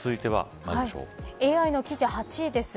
ＡＩの記事、８位です。